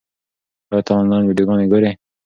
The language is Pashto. ایا ته آنلاین ویډیوګانې ګورې؟